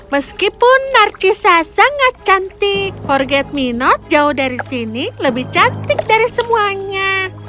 meskipun narcisa sangat cantik forget me not jauh dari sini lebih cantik dari semuanya